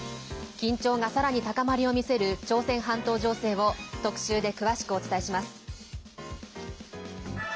緊張がさらに高まりを見せる朝鮮半島情勢を特集で詳しくお伝えします。